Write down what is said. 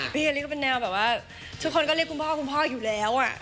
เฮลิก็เป็นแนวแบบว่าทุกคนก็เรียกคุณพ่อคุณพ่ออยู่แล้ว